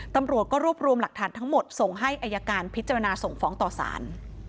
ตำรวจก็รวบรวมหลักฐานทั้งหมดส่งให้อายการพิจารณาส่งฟ้องต่อสาร